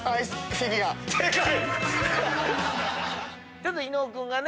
ちょっと伊野尾君がね